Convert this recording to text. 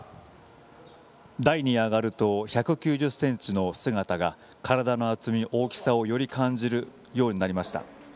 台に上がると１９０ｃｍの姿が体の厚み、大きさをより感じるようになりました。